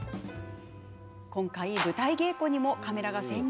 舞台稽古にもカメラが潜入。